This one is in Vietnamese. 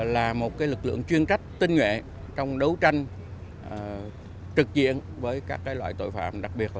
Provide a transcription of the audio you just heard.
là một lực lượng chuyên trách tinh nghệ trong đấu tranh trực diện với các loại tổ chức